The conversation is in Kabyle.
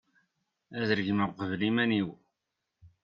ad regmeɣ uqbel iman-iw